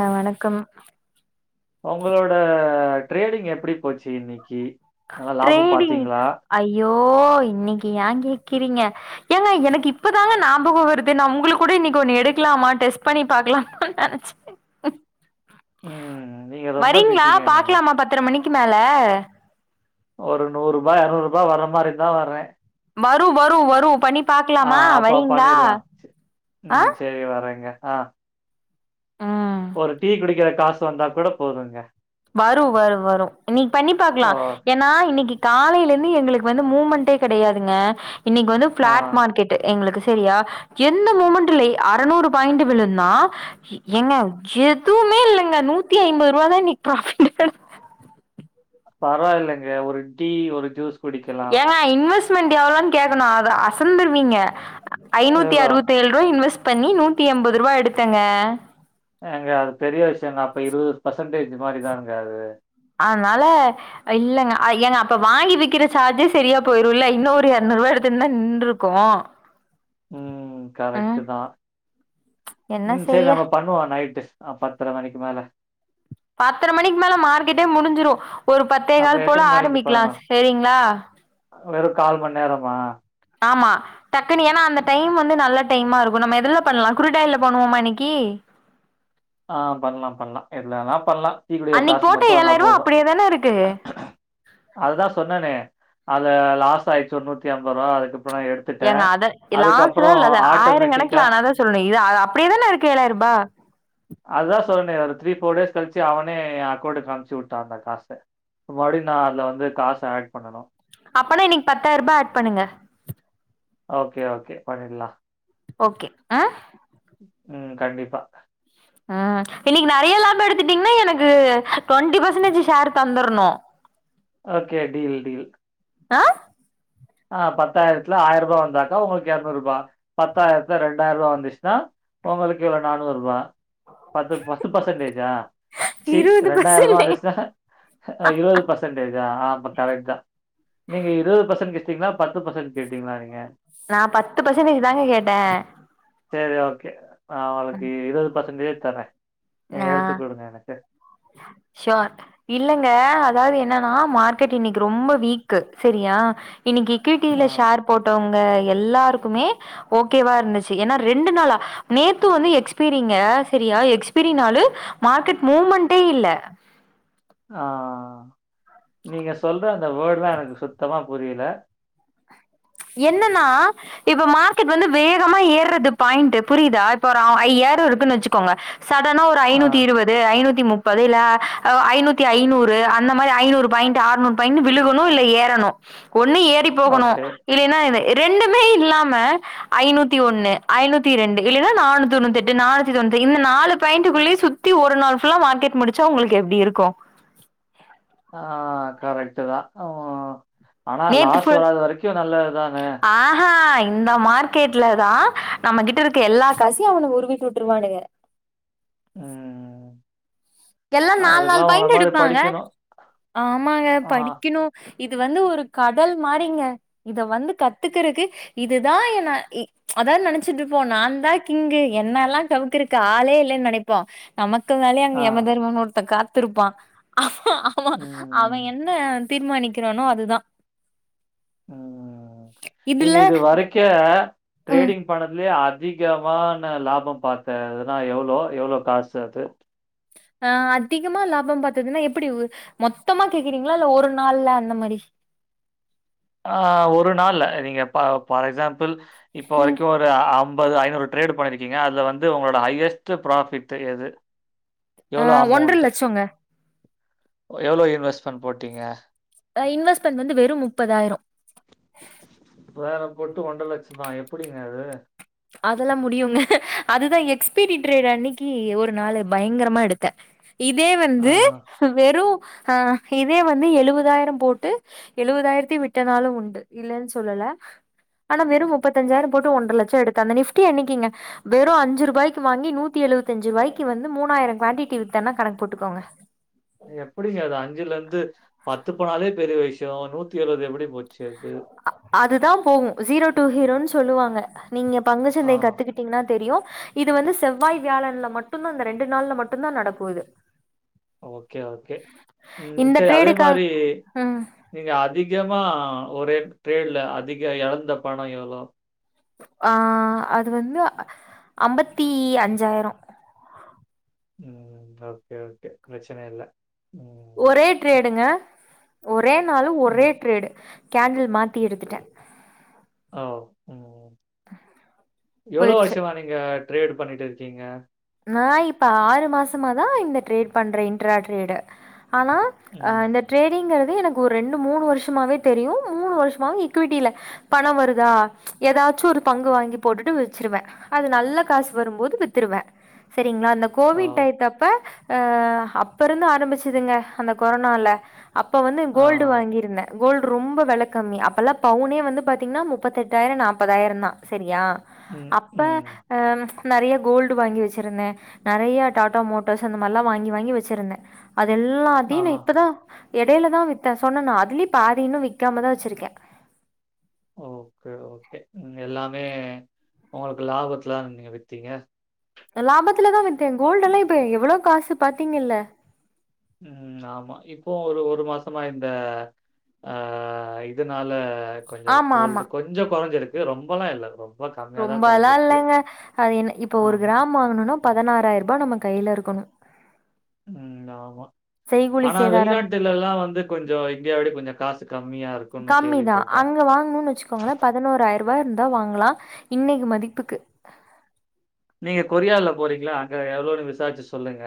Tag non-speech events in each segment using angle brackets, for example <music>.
ஆ வணக்கம் உங்களோட ட்ரேடிங் எப்டி போச்சு இன்னிக்கி டிரேடிங் ஐய்யோ இன்னிக்கு ஏ கேக்கிறீங்க ஏங்க எனக்கு இப்பதாங்க ஞாபக வருது நா உங்களுக்கு கூட இன்னிக்கு ஒன்னு எடுக்கலாமா டெஸ்ட் பண்ணி பாக்கலாமானு நெனச்ச ம். நீங்க ரொம்ப வரீங்ளா பிஸிங்க. பாக்கலாமா பத்தர மணிக்கு மேல ஒரு நூறு ரூபா இருநூறு ரூபா வர மாரி இருந்தா வரே வரு வரு வரு பணி ஆ அப்ப பண்ணிறலா ஆ ம் செரி வரேங்க ஆ ம் ஒரு டீ குடிக்கிற கா சு வந்தா கூட போதுங்க வரு வரு வரு இன்னிக்கி பண்ணி ஓ! பாக்கலா ஏ ன்னா இன்னிக்கு காலையில இருந்து எங்களுக்கு வந்து மூமெண்டே கெடையாதுங்க இன்னிக்கு வந்து ஆ பிளாட் மார்க்கெட் டு எங்களுக்கு செரியா எந்த மூமெண்ட் இல்ல அறுநூறு பாயிண்ட் விழுந்தா எங்க எதுமே இல்லங்க நூத்தி ஐம்பது ரூபா தா இன்னிக்கு ப்ராபிட் பரவாயில்லங்க ஒரு டீ ஒரு ஜூஸ் குடிக்கலாம். ஏங்கா இன்வெஸ்ட்மெண்ட் எவ்ளோனு கேக்கணு அத அசந்துருவீங்க ஐநூத்தி ஏதோ அறுபத்தேழு ரூவா இன்வெஸ்ட் பண்ணி நூத்தி எம்பது ரூவா எடுத்தங்க ஏங்க அது பெரிய விஷயங்க அப்ப இருவது பர்சென்டேஜ் மாரிதாங்க அது அதனால இல்லங்க ஏங்க அப்ப வாங்கி விக்கிற சார்ஜே செரியா போயிருல இல்ல இன்னு ஒரு எரநூறுவா எடுத்து இருந்தா நின்ட்டுருக்கு ம் கரெக்ட்டு தா என்ன ம் செரி செய்ய நம்ம பண்ணுவோ நைட்டு ஆ பத்தர மணிக்கு மேல பத்தர மணிக்கு மேல மார்க்கெட்டே முடிஞ்சிரு ஒரு பத்தே அப்ப கால் போல எத்தன மணிக்கு ஆரம்பிக்கலா பண்ணணும்? சேரிங்ளா வெறு கால் மணி நேரமா ஆமா டக்குன்னு ஏன்னா அந்த டைம் வந்து நல்ல டைமா இருக்கு நம்ம எதுல பண்ணலா குறுட்டாய்ல பண்ணுவோமா இன்னிக்கு ஆ பண்லா பண்லா எதுலா வேனா பண்லா டீ குடிக்க அன்னிக்கு காசு போட்ட மட்டு வந்தா ஏழாயிரூவா போது அப்டியே தானே இருக்கு அதுதா சொன்னே அது லாஸ் ஆயிடுச்சு ஒரு நூத்தி ஐம்பது ரூவா அதுக்கப்றோ எடு ஏங்க அத லாஸ்ட்டுலா இல்லாத ஆயிர கணக்குல ஆட்டோமேட்டிக்கா ஆனாதா சொல்ணு இது அது அப்டியே தானே இருக்கு ஏழாயரூபா அதா சொன்னனே ஒரு த்ரீ ஃபோர் டேஸ் கழுச்சு அவனே எ அக்கௌண்ட்க்கு அம்ச்சு வுட்டா அந்த காச ப்ப மறுப்டி நா அதுல வந்து காசு ஆட் பண்ணனு அப்பனா இன்னக்கி பத்தாயிரூபா ஆட் பண்ணுங்க ஓகே ஓகே பண்ணிட்லா ஓகே ஆ ம் கண்டிப்பா ஆ இன்னக்கி நறையா லாபோ எடுத்துட்டீங்கன்னா எனக்கு டுவெண்ட்டி பர்சன்டேஜ் ஷேர் தந்தர்ணு ஓகே டீல் டீல் ஆ ஆ பத்தாயரத்துல ஆய ரூபா வந்தாக்காஒங்ளுக்கு எர்நூறுபா பத்தாயரத்துல ரெண்டாய ரூபா வந்துச்சுன்னா ஒங்களுக்கு எவ்ளோ நானூறுபா பத்து பத்து பர்சன்டேஜா சீ இருவது ரெண்டாயரூபா பர்சன்டே வந்துச்சுன்னா ஆ இருவது பர்சன்டேஜா ஆ அப்ப கரெக்ட் தா நீங்க இருவது பர்சன் கே க்கீங்ளா பத்து பர்சன் கேட்டீங்ளா நீங்க நா பத்து பர்சன்டேஜ் தாங்க கேட்டே சேரி ஓகே நா ஒங்களுக்கு இருவது பர்சன்டேஜ் தரே நீங்க ஆ எடுத்து குடுங்க எனக்கு ஷோர் இல்லங்க அதாது என்னன்னா மார்க்கெட் இன்னக்கி ரொம்ப வீக்கு செரியா இன்னிக்கி ஆ. கீட்டிவில ஷேர் போட்டவங்க எல்லாருக்குமே ஓகேவா இருந்துச்சு ஏனா ரெண்டு நாளா நேத்து வந்து எக்ஸ்பீரிங்க செரியா எக்ஸ் பிரிநாளு மார்க்கெட் மூமெண்டே இல்ல ஆ ஆ நீங்க சொல்ற அந்த வேர்டுலா எனக்கு சுத்தமா புரில என்னன்னா இப்ப மார்க்கெட் வந்து வேகமா ஏறது பாயிண்ட்டு புரிதா இப்ப ஐயாயிரோ இருக்குன் வச்சுக்கோங்க சடனா ஒரு ஆ. ஐநூத்தி இருவ து ஐநூத்தி முப்பது இல்ல ஐநூத்தி ஐநூறு அந்த மாரி ஐநூறு பாயிண்ட் ஆற் பாய்ண்ட்டு விழுகணு இல்ல ஏறணு ஒண்ணு ஏறி போகணு ஓகே. இல்லன்னா ரெண்டுமே இல்லாம ஐநூத்தி ஒண்ணு ஐநூத்தி ரெண்டு இல்லன்னா நானூத்தி தொண்ணூத்தெட் டு நானூத்தி தொண்ணூத்து இந்த நாலு பாயிண்ட்டுக்குள்ளயே சுத்தி ஒரு நாள் ஃபுல்லா மார்க்கெட் முடிச்சா ஒங்களுக்கு எப்டி இருக்கு ஆ கரெக்ட்டு தா ஓ நேத்து ஃபு தாங்க. ஆஹா இந்த மார் கெட்ல தா நம்ம கிட்ட இருக்க எல்லா காசயு அவனுங்க உருவிட்டுருவானுங்க ம் ம் ம் எல்லா நால் நால் பாய்ண்ட்டு எடுப்பாங்க படிக்கணும். ஆமாங்க ஆ. படிக்கணு இது வந்து ஒரு கடல் மாறிங்க இத வந்து கத்துக்கறக்கு இதுதா என்ன அதான் நெனச்சிட்ருப்போ நா தா கிங்கு என்னல்லா கவுக்கறக்கு ஆளே இல்லைன் நெனை ப்போ நமக்குமேலயு அங்க ஆ. எமதர்மன் ஒருத்தே காத்துருப்பா ஆ ஆமா ம். அவேன் என்ன தீர்மானிக்கிறானோ அதுதா ம் நீங்க இதுல இது வரைக்கு ம். ட்ரேடிங் பண்ணதுலயே அதிகமானா லாபோ பாத்த இதுனா எவ்ளோ எவ்ளோ காசு அது ஆ அதிகமா லாபம் பாத்ததுன்னா எப்டி மொத்தமா கேக்குறீங்ளா இல்ல ஒரு நாள்ல அந்த மாரி ஆ ஒரு நாள்ல நீங்க பா ஃபார் எக்ஸாம்பிள் இப்ப ம் வரைக்கு ஒரு அம் ப்ப அது ஐநூறு ட்ரேடு பண்ணிருக்கீங்க அதுல வந்து ஒங்களோட ஹையஸ்ட்டு ப்ராஃபிட்டு எது ஆ எவ்ளோ ஒன்ற அமௌண்ட்டு லட்சோங்க எவ்ளோ இன்வெஸ்ட்மெண்ட் போட்டீங்க அ இன்வெஸ்ட்மெண்ட் வந்து வெறும் முப்பதாயிரோ வேற போட்டு ஒன்ற லட்சம்மா எப்புடிங்க அது அதெல்லா முடியுங்க அதுதா எக்ஸ்பிரி ட்ரேடு அன்னைக்கு ஒரு நாளு பயங்கரமா எடுத்தே இதே வந்து ஆஹா. வெறு ஆ இதே வந்து எழுவதாயிரம் போட்டு எழுவதாயிரத்தையு விட்ட நாளும் உண்டு இல்லேன் சொல்லல ஆனா வெறு முப்பத்தஞ்சாயிரம் போட்டு ஒன்ற லட்ச்ச எடுத்த அந்த <unintelligible> அன்னைக்குங்க வெறு அஞ்சு ரூபாய்க்கு வாங்கி நூத்தி எழுவத்தஞ்சு ரூவாயிக்கு வந்து மூணாயிர குவாண்டிட்டி வித்தனா கணக்கு போட்டுக்கோங்க எப்டிங்க அது அஞ்சுல இருந்து பத்து போனாலே பெரிய விஷயோ நூத்தி எழுவது எப்டி போச்சு அது அதுதா போகு ஜீரோ டூ ஹீரோன்னு சொல்லுவாங்க நீங்க ஆ. பங்குச்சந்தைய கத்துக்கிட் டீங்ன்னா தெரியு இது வந்து செவ்வாய் வியாழன்ல மட்டுந்தா இந்த ரெண்டு நாள்ல மட்டுந்தா நடக்கு இது ஓகே ஓகே ம் இந்த சேரி அதே ட்ரேடுக்கா மாரி ம். நீங்க அதிகமா ஒரே ட்ரேடுல அதிக எழந்த பணோ எவ்ளோ ஆ அது வந்து அம்பத்தி அஞ்சாயிரோ ம் ஓகே ஓகே பிரச்சன இல்ல ம் ஒரே ட்ரேடுங்க ஒரே நாளு ஒரே ம். ட்ரேடு கேண்டில் மாத்தி எடுத்துட்டே ஓ ம் எவ்ளோ போயிருச்சு. வருஷமா நீங்க ட்ரேடு பண்ணிட்டு இருக்கீங்க நா இப்ப ஆறு மாசமாதா இந்த ட்ரேட் பண்றே இன்ட்ரா ட்ரேடு ஆனா ஆ ம். இந்த ட்ரேடிங்கிறது எனக் ஒ ரெண்டு மூணு வருஷமாவே தெரியு மூணு வருஷமாவு இக்விட்டில பண வருதா எதாச்சு ஒரு தங்கோ வாங்கி போட்டுட்டு வச்சிருவே அது நல்ல காசு வரும்போது வித்துருவே சரிங்ளா அந்த ஓ! கோவிட் டைத்தப்ப ஆ அப்பருந்து ஆரம்பிச்சுதுங்க அந்த கொரோனால அப்போ வந்து ஆ. கோல்டு வாங்கியிருந்தே கோல்டு ரொம்ப வெல கம்மி அப்பெல்லா பவுனே வந்து பாத்தீங்கன்னா முப்பத்தெட்டாயிரொ நாப்பதாயிரந்தா சரியா ம், அப்ப ம். ஆ நெறைய கோல்டு வாங்கி வச் சுருந்த நெறையா டாட்டா மோட்டோர்ஸ் அந்த மார்லா வாங்கி வாங்கி வச்சிருந்தே அது எல்லாத்தையு நா ஆஹா. இப்பதா எடையிலதா வித்தே சொன்னனா அதுலே பாதி இன்னு விக்காமதா வச்சிருக்கே ஓகே ஓகே ம் எல்லாமே உங்களுக்கு லாபத்துல தான நீங்க வித்தீங்க லாபத்துலதா வித்தே கோல்டு எல்லா இப்ப எவ்ளோ காசு பாத்தீங்கல்ல ம் ஆமா இப்போ ஒரு ஒரு மாசமா இந்த ஆ இதனால கொஞ்ச ஆமா கோல்டு ஆமா கொஞ்சொ கொறைஞ்சிருக்கு ரொம்பெல்லா இல்ல ப்ரோ ரொம்பல்லா இல்லேங்க அது என் இப்ப ஒரு ஆமா. கிராம் வாங்கணுனா பதினாறாயிரூபா நம்ம கைல இருக்கணு ம் நாமா செய்கூ ஆனா வெளிநாட்டுலல்லா வந்து கொஞ்சோ இந்தியா விட கொஞ்சொ காசு கம்மியா இருக்குன்னு கேள்வி தா அங்க வாங்கனுன் வச்சுக் கோங்கள பதினோரயிரூபா இருந்தா வாங்கலா இன்னைக்கு மதிப்புக்கு நீங்க கொரியால போறீங்களா அங்க எவ்ளோன்னு விசாரிச்சு சொல்லுங்க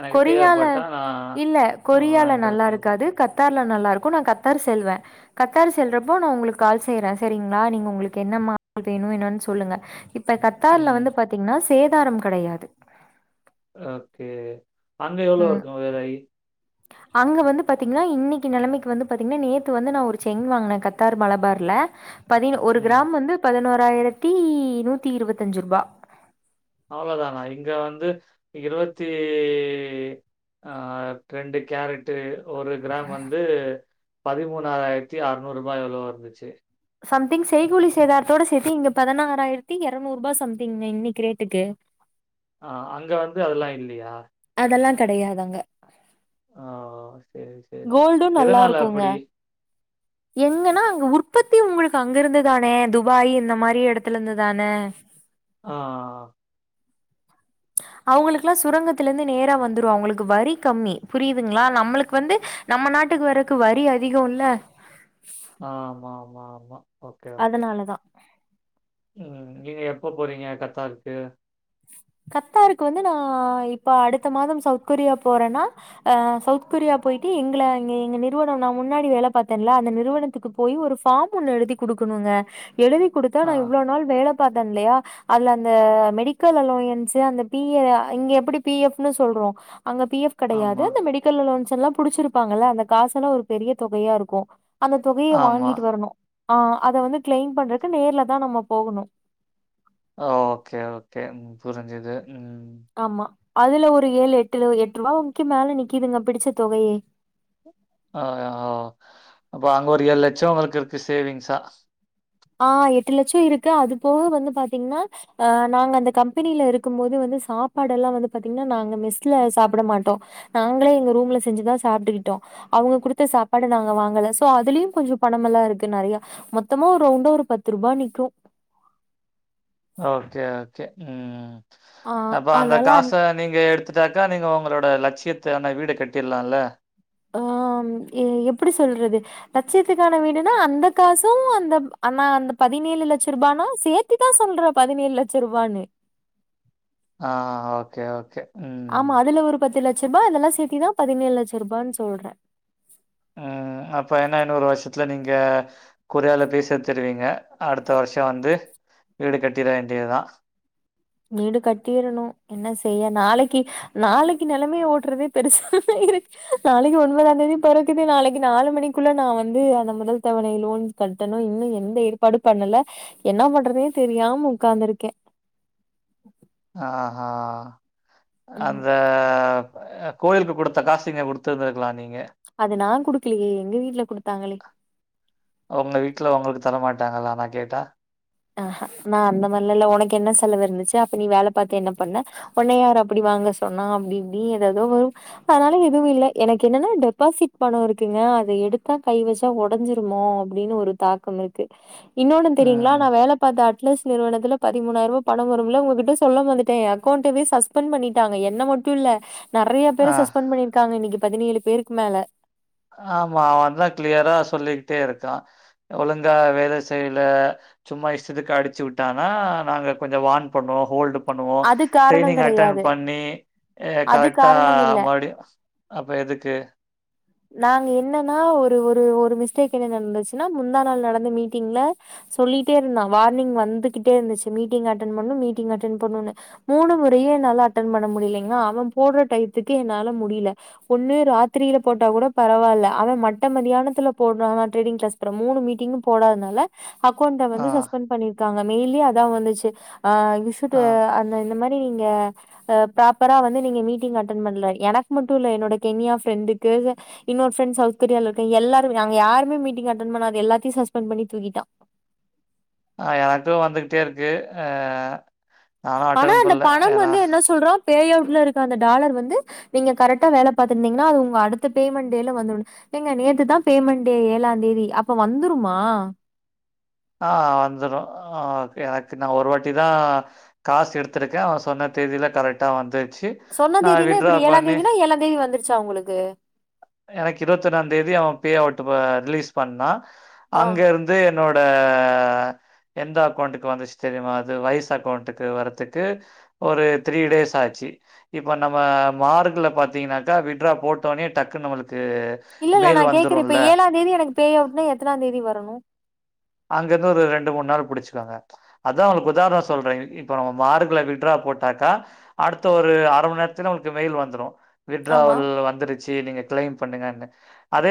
எனக்கு கொரியால தேவைப்பட்டா நான் இல்ல அ கொரியால வாங்கிட்டு வர நல்லா சொல்றேன். இருக்காது கத் தார்ல நல்லா இருக்கு நா கத்தார் செல்வ கத்தார் செல்றப்போ நா உங்களுக்கு கால் செய்யறே சேரிங்களா நீங்க உங்களுக்கு என்ன மா <inaudible> வேணு என்னன் சொல்லுங்க இப் ப கத்தார்ல ம். வந்து பாத்தீங்கன்னா சேதாரம் கெடையாது ஓகே அங்க எவ்ளோ ம் இருக்கு வெலை அங்க வந்து பாத்தீங்கன்னா இன்னைக்கு நெலைமைக்கு வந்து பாத்தீங்கன்னா நேத்து வந்து நா ஒரு செயினு வாங்குனே கத்தார் மலபார்ல பதி ஒரு ம். கிராம் வந்து பதினோறாயிரத்தி நூத்தி இருவத்தஞ்சு ரூபா அவ்ளோதானா இங்க வந்து இருபத்தி ஆ ரெண்டு கேரட்டு ஒரு கிராம் வந்து பதிமூண ஆறாயிரத்தி ஆறுநூறு ரூபா எவ்ளவோ இருந்துச்சு சம்திங் செய்கூலி சேதாரத்தோட சேத்தி இங்க பதினறாயிரத்தி எரநூறு ரூபா சம்திங்க இன்னைக்கு ரேட்டுக்கு ஆ அங்க வந்து அதெல்லா இல்லியா அதெல்லா கெடையாதங்க ஆ கோல்டு நல்லாருக்குங்க எங்கன்னா அங்க உற்பத்தி உங்களுக்கு அங்கிருந்து தானே துபாய் இந்த மாரி எடத்துலருந்து தானே ஆ அவுங்களுக்கெல்லா சுரங்கத்துல இருந்து நேர வந்துரு அவங்களுக்கு வரி கம்மி புரியுதுங்களா நம்மளுக்கு வந்து நம்ம நாட்டுக்கு வரக்கு வரி அதிகோல்ல ஆ ஆமா ஆமா ஆமா ஓகே, ஓகே. அதனாலதா ம் நீங்க எப்ப போறீங்க கத்தாருக்கு கத்தாருக்கு வந்து நான் இப்ப அடுத்த மாதம் சவுத் கொரியா போறன்னா அ சவுத் கொரியா போயிட்டு எங்கள அங்க எங்க நிறுவனம் நா முன்னாடி வேல பாத்தேன்ல அந்த நிறுவனத்துக்கு போய் ஒரு பார்ம் ஒண்ணு எழுதி குடுக்கணுங்க எழுதி குடுத் தா ஆ, நா இவ்ளோ நாள் வேல பாத்தன்லையா அதுல அந்த மெடிக்கல் அல்லோய ன்சு அந்த பி அ இங்க எப்டி பி எப் னு சொல்றோ அங்க பி ஃப் கெடையாது ஆமா, அந்த மெடிக் கல் அல்லோன்ஸ்ஸெல்லா புடிச்சிருப்பாங்கல்ல அந்த காசெல்லா ஒரு பெரிய தொகையா இருக்கு அந்த தொகைய ஆமா. வாங்கீட்டு வரணு ஆ அத வந்து கிளைம் பண்றக்கு நேர்லதா நம்ம போகணு அ ஓகே ஓகே ம் புரிஞ்சுது ம் ஆமா அதுல ஒரு ஏழு எட்டுல எட்ரூபா வரைக்கு மேல நிக்கிதுங்க பிடிச்ச தொகையே ஆ அப்ப அங்க ஒரு ஏழு லச்சோ உங்களுக்கு இருக்கு சேவிங்ஸா ஆ எட்டு லச்சோ இருக்கு அது போக வந்து பாத்தீங்ன்னா ஆ நாங்க அந்த கம்பெனில இருக்கும் போது வந்து சாப்பாடெல்லா வந்து பாத்தீங்ன்னா நாங்க மெஸ்ல சாப்பட மாட்டோ நாங்களே எங்க ரூம்ல செஞ்சுதா சாப்ட்டுகிட்டோ அவுங்க குடுத்த சாப்பாட நாங்க வாங்கல சோ அதுலியும் கொஞ்சோ பணமெல்லா இருக்கு நெறையா மொத்தமா ஒரு ரவுண்டா ஒரு பத்து ரூபா நிக்கு ஓகே ஓகே ம் ஆ அப்ப அந்த அதனால அந் காச நீங்க எடுத்துட்டாக்கா நீங்க உங்களோட லச்சியத்த ஆன வீட கட்டியர்லால்ல் ஆ ம் எ எப்டி சொல்றது லச்சியத்துக்கான வீடுனா அந்த காசு அந்த அனா அந்த பதினேழு லட்சர்ரூபானா சேர் த்திதா சொல்ற பதினெழு லட்சர்ரூபானு ஆ ஓகே ஓகே ம். ஆமா அதுல ஒரு பத்து லட்சர்ரூபா அதெல்லா சேத்திதா பதினேழு லட்சர்ரூபானு சொல்ற உ அப்ப என்ன இன்னொரு வருஷத்துல நீங்க கொரியால பேய் சேத்துருவீங்க அடுத்த வருஷோ வந்து வீடு கட்டிற வேண்டியதா நீடு கட்டீறனு என்ன செய்ய நாளைக்கி நாளைக்கு நெலமைய ஓட்றதே பெருச இருக் நாளைக்கு ஒன்பதாந் தேதி பொறக்குது நாளைக்கு நாலு மணிக்குள்ள நா வந்து அந்த முதல் தவணை லோன் கட்டணு இன்னு எந்த ஏற்பாடு பண்ணல என்னா பண்றதுனே தெரியாம உக்காந்துருக்கே ஆஹா ம் அந்த அ கோயிலுக்கு கொடுத்த காச இங்க கொடுத்துருந்துருக்கலா நீங்க அது நா குடுக்கலயே எங்க வீட்ல குடுத்தாங்களே ஒங்க வீட்ல ஒங்களுக்கு தரமாட்டாங்களா நா கேட்டா ஆஹ நா அந்த மாதிரிலல்லா உனக்கென்ன செலவு இருந்துச்சு அப்ப நீ வேல பாத்து என்ன பண்ண உன்ன யாரு அப்டி வாங்க சொன்னா அப்டி இப்டினு ஏதேதோ வரு அதனால எது இல்ல எனக்கு என்னன்னா டெபாசிட் பணோ இருக்குங்க அத எடுத்தா கை வச் டா ஒடஞ்சுருமோ அப்டின் ஒரு தாக்கம் இருக்கு இன்னோன்னு தெரியுங்ளா ம். நா வேல பாத்த <unintelligible> நிறுவனத்துல பதிமூணாயிர ருவா பணம் வரும்ல ஒங்ககிட்ட சொல்ல மறந்துட்டே எ அக்கோண்டவே சஸ்பண்ட் பண்ணிட்டாங்க என்ன மட் டு இல்ல நெறைய ஆ. பேர சஸ்பெண்ட் பண்ணிருக்காங்க இன்னக்கி பதினேழு பேருக்கு மேல ஆமா அவெந் தா கிளியரா சொல்லிக்கிட்டே இருக்கா ஒழுங்கா வேல செய்ல சும்மா இஷ்டத்துக்கு அடுச்சு விட்டானா நாங்க கொஞ்சோ வார்ன் பண்ணுவோ ஹோல்டு பண்ணுவோ அது காரணோ ட்ரைனிங் அட்டன் கெடையாது பண்ணி அ அது கரெட்டா காரணம் இல்ல மறுபடியு அப்ப எதுக்கு நாங்க என்னன்னா ஒரு ஒரு ஒரு மிஸ்டேக் என்ன நடந்துச்சுன்னா முந்தா நாள் நடந்த மீட்டிங்ல சொல்கிட்டே இருந்தா வார்னிங் வந்துகிட்டே இருந்துச்சு மீட்டிங் அட்டென் பண்ணனும் மீட்டிங் அட்டென் பண்ணனுனு மூணு முறையு என்னால அட்டன் பண்ண முடியலைங்களா அவன் போட்ற டயத்துக்கு என்னால முடில ஒண்ணு ராத்ரீல போட்டா கூட பரவால்ல அவெ மட்ட மதியானத்துல போட்றானா ட்ரேடிங் கிளாஸ் அப்பறோ மூணு மீட்டிங்கு போடாதனால அக்கோண்ட ஆ, வந்து சஸ்பெண்ட் பண்ணிருக்காங்க மெயில்லயு அதா வந்துச்சு அ வீ ஷுட் ஆ, அந்த இந்த மாரி ரி நீங்க அ ப்ராப்பரா வந்து நீங்க மீட்டிங் அட்டன் பண்ல எனக்கு மட்டு இல்ல என்னோட கெமியா ஃப்ரெண்டுக் கு இன்னோரு ஃப்ரெண்ட் சவுத் தெரியால இருக்கு எல்லாரு இருக்காங்க நாங்க யாருமே மீட்டிங் அட்டன் பண்ணாத எல்லாத்தையு சஸ்பண்ட் பண்ணி தூக்கிட்டா ஆ எனக்கு வந்துகிட்டே இருக்கு அ நானும் ஆனா அட்டெண்ட் அந்த பண்ணல. பணம் ஏன்னா வந்து என்ன சொல்றா பே அவுட்ல இருக்க அந்த டாலர் வந்து நீங்க கரெக்டா வேல பாத்துருந்தீங்கன்னா அது உங்க அடுத்த பேமண்ட் டேல வந்துருனு ஏங்க நேத்துதா பேமண்டே ஏழா தேதி அப்ப வந்துருமா ஆ வந்துறு ஆ ஓகே எனக்கு நா ஒரு வாட்டி தா காசு எடுத்துருக்கே அவெ சொன்ன தேதில கரெக்டா வந்துருச்சு சொன்ன நான் தேதினா வித்ட்ரா எப்டி ஏழாந் பண்ணி தேதினா ஏழாந் தேதி வந்துருச்சா ஒங்களுக்கு எனக்கு இருவத் ஒன்னா தேதி அவெ பே அவுட் ப ரிலீஸ் பண்ணா ஆ அங்க இருந் து என்னோட எந்த அக்கோண்ட்டுக்கு வந்துச்சு தெரியுமா அது வைஸ் அக்கோண்ட்டுக்கு வர்றதுக்கு ஒரு த்ரீ டேஸ் ஆச்சு இப்ப நம்ம மார்க்குல பாத்தீங்கனாக்கா வித்ட்ரா போட்டோனே டக்குனு ஒங்களுக்கு இல்ல இல்ல நா கேக்குறே இப்ப ஏழாந் தேதி எனக்கு பே அவுட்னா எத்தனாந் தேதி வரணு அங்க இருந்து ஒரு ரெண்டு மூணு நாள் புடுச்சுக்கங்க அதா ஒங்களுக்கு உதாரணொ சொல்றே இப்ப நம்ம மார்க்குல வித்ட்ரா போட்டாக்கா அடுத்த ஒரு அர மண் நேரத்துல ஒங்களுக்கு மெயில் வந்துரு ஆமா வித்ட்ராவல் வந்துருச்சு நீங்க கிளைம் பண்ணுங்கன்னு அதே